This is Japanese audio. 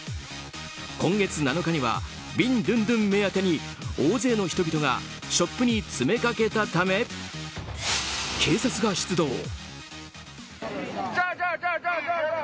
今月７日にはビンドゥンドゥン目当てに大勢の人々がショップに詰めかけたため警察が出動。